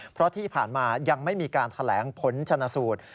เพราะที่ผ่านมายังไม่มีการแถลงผลชนะสูตร